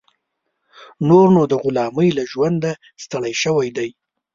نور نو د غلامۍ له ژونده ستړی شوی دی.